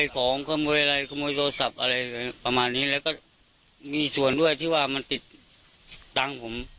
ก็คือว่ามัน